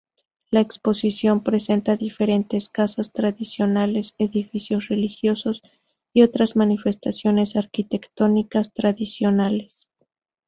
La exposición presenta diferentes casas tradicionales, edificios religiosos y otras manifestaciones arquitectónicas tradicionales.